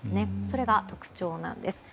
それが特徴なんです。